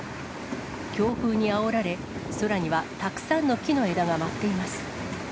強風にあおられ、空にはたくさんの木の枝が舞っています。